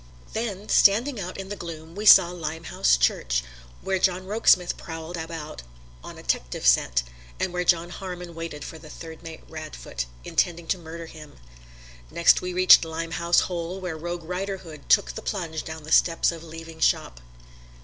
Then, standing out in the gloom, we saw Limehouse Church, where John Rokesmith prowled about on a 'tective scent; and where John Harmon waited for the third mate Radfoot, intending to murder him. Next we reached Limehouse Hole, where Rogue Riderhood took the plunge down the steps of Leaving Shop.